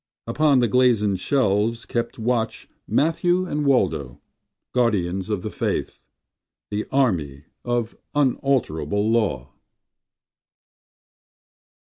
Upon the glazen shelves kept watch Matthew and Waldo, guardians of the faith, The army of unalterable law.